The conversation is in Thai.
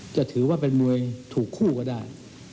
จะถือว่าเป็นมวยถูกคู่ก็ได้